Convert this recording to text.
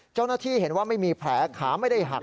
เจ้าหน้าที่เห็นว่าไม่มีแผลขาไม่ได้หัก